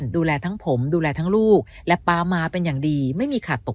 ดูแลทั้งผมดูแลทั้งลูกและป๊ามาเป็นอย่างดีไม่มีขาดตก